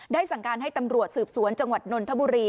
สั่งการให้ตำรวจสืบสวนจังหวัดนนทบุรี